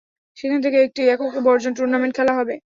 সেখান থেকে, একটি একক বর্জন টুর্নামেন্ট খেলা হবে।